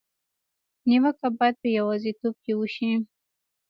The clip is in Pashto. نیوکه باید په یوازېتوب کې وشي.